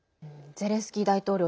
ゼレンスキー大統領